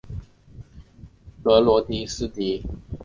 格罗斯迪本是德国萨克森州的一个市镇。